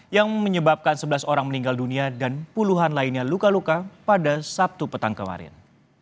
yang menyebabkan sebelas orang meninggal dunia dan puluhan lainnya luka luka pada sabtu petang kemarin